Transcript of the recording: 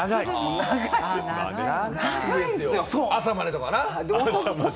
朝までとかな。